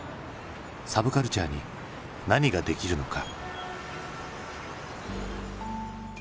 サブカルチャーに何ができるのか？